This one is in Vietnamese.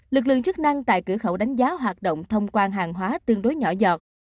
lực lượng chức năng tại cửa khẩu đánh giá hoạt động thông quan hàng hóa tương đối nhỏ giọt